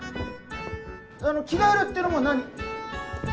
あの着替えるっていうのも何？